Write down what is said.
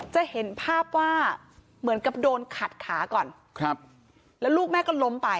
จะเห็นภาพว่าโดนขัดขาก่อนครับแล้วลูกแม่ก็ล้ม